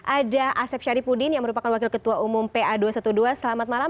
ada asep syaripudin yang merupakan wakil ketua umum pa dua ratus dua belas selamat malam